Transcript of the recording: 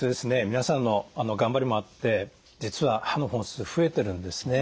皆さんの頑張りもあって実は歯の本数増えてるんですね。